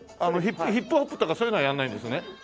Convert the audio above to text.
ヒップホップとかそういうのはやんないんですね。